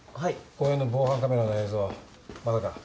公園の防犯カメラの映像まだか？